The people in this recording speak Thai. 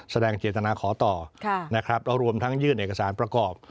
แสดงเจตนาขอต่อนะครับแล้วรวมทั้งยื่นเอกสารประกอบ